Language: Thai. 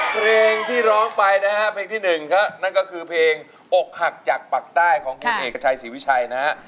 เพลงที่ร้องไปนะฮะเพลงที่๑ครับนั่นก็คือเพลงอกหักจากปากใต้ของคุณเอกชัยศรีวิชัยนะฮะ